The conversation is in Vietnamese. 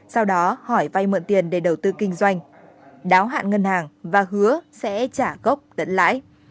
sau đó hỏi vay mượn tiền để đầu tư kinh doanh đáo hạn ngân hàng và hứa sẽ trả gốc lẫn lãi